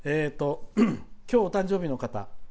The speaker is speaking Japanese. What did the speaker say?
きょうお誕生日の方。